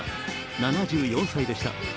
７４歳でした。